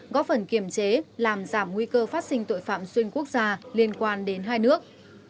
góp phần kiềm chế làm giảm nguy cơ phát sinh tội phạm xuyên quốc gia liên quan đến hai nước